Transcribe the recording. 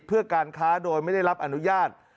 เพื่อการค้าโดยไม่ได้รับอนุญาต